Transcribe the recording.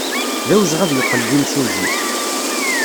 D awezɣi ad yeqqel d imsujji.